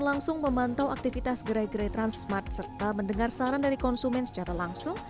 langsung memantau aktivitas gerai gerai transmart serta mendengar saran dari konsumen secara langsung